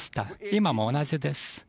今も同じです。